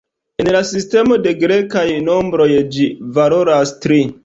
En la sistemo de grekaj nombroj ĝi valoras tri.